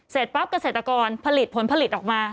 เสร็จปั๊บเกษตรกรผลผลิตออกมา